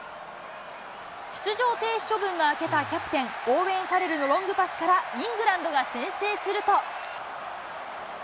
出場停止処分が明けたキャプテン、オーウェン・ファレルのロングパスから、イングランドが先制すると。